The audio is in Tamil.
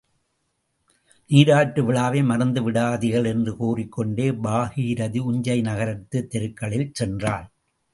நீராட்டு விழாவை மறந்து விடாதீர்கள் என்று கூறிக் கொண்டே பாகீரதி உஞ்சை நகரத்துத் தெருக்களில் சென்றாள்.